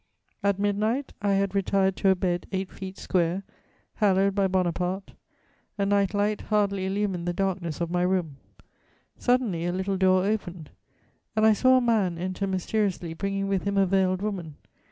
"At midnight, I had retired to a bed eight feet square, hallowed by Bonaparte; a night light hardly illumined the darkness of my room; suddenly, a little door opened, and I saw a man enter mysteriously, bringing with him a veiled woman.